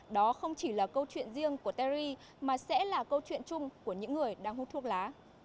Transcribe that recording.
đó không chỉ là câu chuyện riêng của terry mà sẽ là câu chuyện chung của những người đang hút thuốc lá